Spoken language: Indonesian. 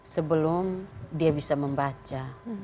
sebelum dia bisa membaca